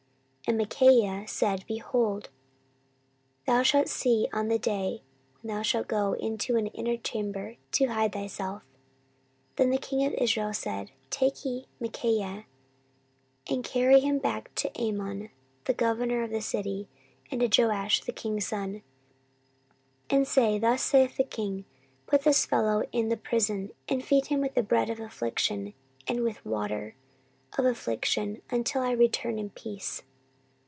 14:018:024 And Micaiah said, Behold, thou shalt see on that day when thou shalt go into an inner chamber to hide thyself. 14:018:025 Then the king of Israel said, Take ye Micaiah, and carry him back to Amon the governor of the city, and to Joash the king's son; 14:018:026 And say, Thus saith the king, Put this fellow in the prison, and feed him with bread of affliction and with water of affliction, until I return in peace.